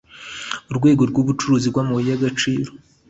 Urwego rw’ubucukuzi bw’amabuye y’agaciro